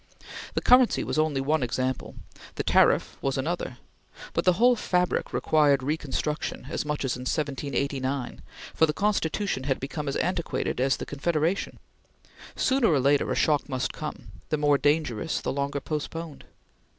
The currency was only one example; the tariff was another; but the whole fabric required reconstruction as much as in 1789, for the Constitution had become as antiquated as the Confederation. Sooner or later a shock must come, the more dangerous the longer postponed.